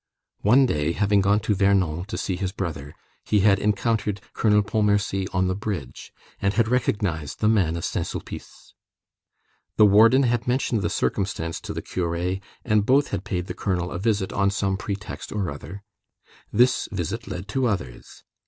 One day, having gone to Vernon to see his brother, he had encountered Colonel Pontmercy on the bridge, and had recognized the man of Saint Sulpice. The warden had mentioned the circumstance to the curé, and both had paid the colonel a visit, on some pretext or other. This visit led to others.